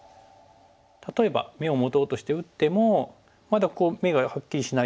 例えば眼を持とうとして打ってもまだ眼がはっきりしないですよね。